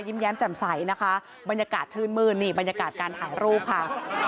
แย้มแจ่มใสนะคะบรรยากาศชื่นมืดนี่บรรยากาศการถ่ายรูปค่ะ